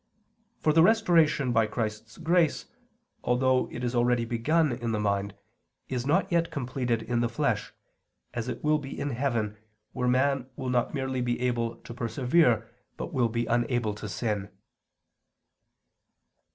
For the restoration by Christ's grace, although it is already begun in the mind, is not yet completed in the flesh, as it will be in heaven, where man will not merely be able to persevere but will be unable to sin.